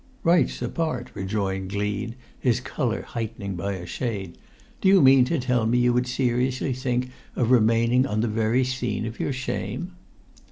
"Rights apart," rejoined Gleed, his colour heightening by a shade, "do you mean to tell me you would seriously think of remaining on the very scene of your shame?"